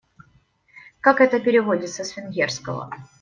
Как это переводится с венгерского?